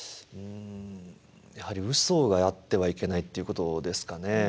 うんやはりうそがあってはいけないっていうことですかねえ。